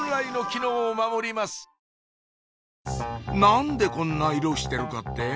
何でこんな色してるかって？